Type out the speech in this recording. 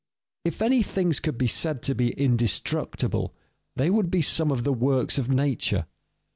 _ If any things could be said to be indestructible, they would be some of the works of nature.